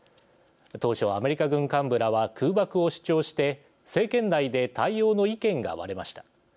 当初、アメリカ軍幹部らは空爆を主張して政権内で対応の意見が割れました。